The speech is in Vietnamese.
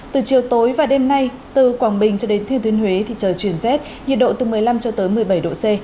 từ chiều tối và đêm nay từ quảng bình cho đến thiên thuyên huế thì trời chuyển rét nhiệt độ từ một mươi năm cho tới một mươi bảy độ c